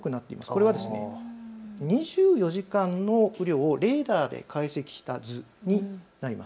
これは２４時間の雨量をレーダーで解析した図になります。